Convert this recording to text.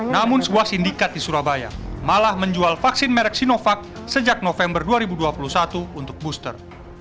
namun sebuah sindikat di surabaya malah menjual vaksin merek sinovac sejak november dua ribu dua puluh satu untuk booster